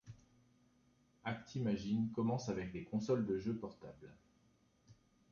Actimagine commence avec les consoles de jeux portables.